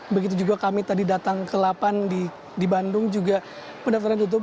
begitu juga kami tadi datang ke delapan di bandung juga pendaftaran ditutup